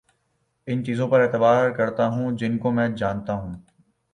ان چیزوں پر اعتبار کرتا ہوں جن کو میں جانتا ہوں